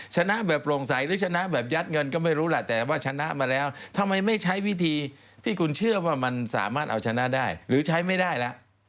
ชนะแบบโปร่งใสหรือชนะแบบยัดเงินก็ไม่รู้แหละแต่ว่าชนะมาแล้วทำไมไม่ใช้วิธีที่คุณเชื่อว่ามันสามารถเอาชนะได้หรือใช้ไม่ได้แล้ว